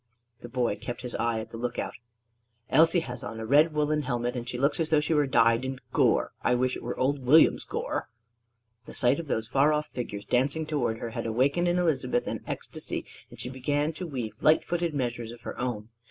The boy kept his eye at the lookout. "Elsie has on a red woollen helmet; and she looks as though she were dyed in gore. I wish it were old William's gore!" The sight of those far off figures dancing toward her had awaked in Elizabeth an ecstasy, and she began to weave light footed measures of her own.